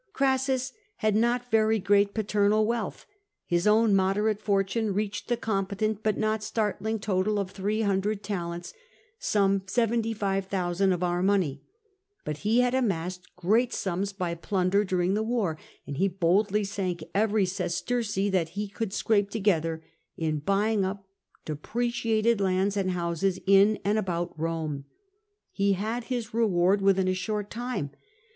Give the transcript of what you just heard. Orassus had not very great paternal wealth ; his own moderate fortune reached the competent but not startling total of three hundred talents — some ;^7S,ooo of our money — but he had amassed great sums by plunder during the war, and he boldly sunk every sesterce that he could scrape together in buying up depreciated lands and houses in and about Eome. He had his reward within a short time.